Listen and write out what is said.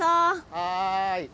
はい。